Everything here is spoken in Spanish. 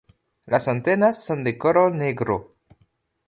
Las antenas son de color negro.